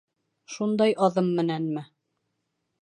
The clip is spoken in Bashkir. — Шундай аҙым менәнме?